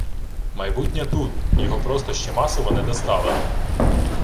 Майбутнє тут. Його просто ще масово не доставили.